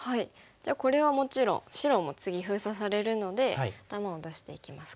じゃあこれはもちろん白も次封鎖されるので頭を出していきますか。